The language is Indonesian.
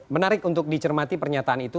menarik untuk dicermati pernyataan itu